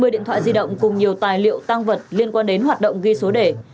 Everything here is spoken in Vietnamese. một mươi điện thoại di động cùng nhiều tài liệu tăng vật liên quan đến hoạt động ghi số đề